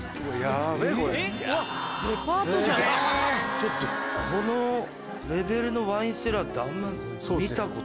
ちょっとこのレベルのワインセラーってあんま見たことない。